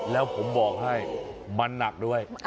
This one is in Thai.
แล้วผมบอกให้มันหนักด้วย